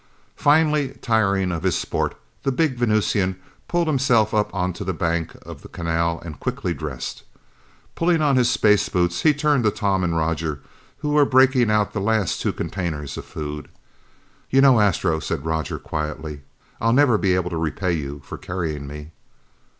Finally tiring of his sport, the big Venusian pulled himself up onto the bank of the canal and quickly dressed. Pulling on his space boots, he turned to Tom and Roger, who were breaking out the last two containers of food. "You know, Astro," said Roger quietly, "I'll never be able to repay you for carrying me."